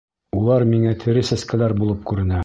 Улар миңә тере сәскәләр булып күренә.